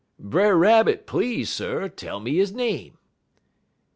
"'Brer Rabbit, please, sir, tell me he name.'